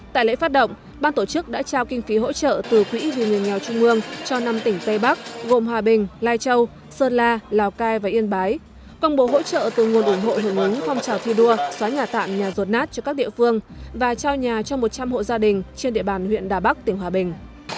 tại lễ phát động ban tổ chức đã trao kinh phí hỗ trợ từ quỹ vì người nghèo trung ương cho năm tỉnh tây bắc gồm hòa bình lai châu sơn la lào cai và yên bái công bố hỗ trợ từ nguồn ủng hộ hưởng ứng phong trào thi đua xóa nhà tạm nhà rột nát cho các địa phương và trao nhà cho một trăm linh hộ gia đình trên địa bàn huyện đà bắc tỉnh hòa bình